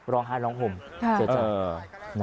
ร้องไห้ร้องหุ่มเจ๋อเจ๋อ